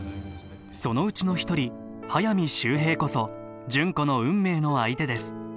そのうちの一人速水秀平こそ純子の運命の相手です